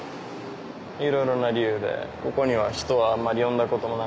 いろいろな理由でここには人はあんまり呼んだこともないし